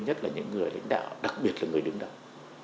nhất là những người lãnh đạo đặc biệt là người đứng đầu